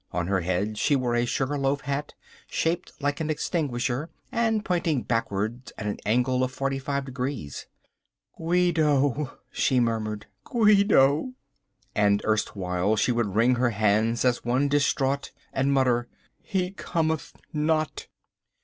On her head she bore a sugar loaf hat shaped like an extinguisher and pointing backward at an angle of 45 degrees. "Guido," she murmured, "Guido." And erstwhile she would wring her hands as one distraught and mutter, "He cometh not."